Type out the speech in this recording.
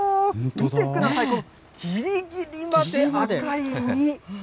見てください、このぎりぎりまで赤い実。